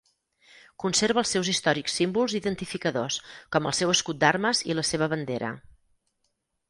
Conserva els seus històrics símbols identificadors, com el seu escut d'armes i la seva bandera.